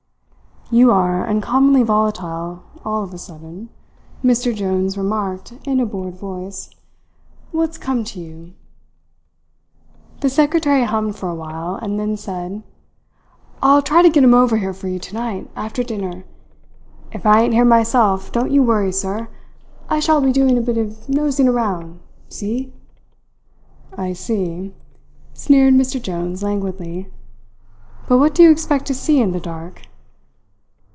"You are uncommonly volatile all of a sudden," Mr. Jones remarked in a bored voice. "What's come to you?" The secretary hummed for a while, and then said: "I'll try to get him over here for you tonight, after dinner. If I ain't here myself, don't you worry, sir. I shall be doing a bit of nosing around see?" "I see," sneered Mr. Jones languidly. "But what do you expect to see in the dark?"